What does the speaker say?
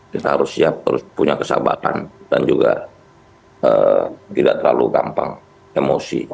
kita harus siap harus punya kesabaran dan juga tidak terlalu gampang emosi